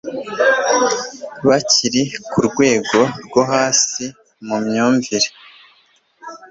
bakiri ku rwego rwo hasi mu myumvire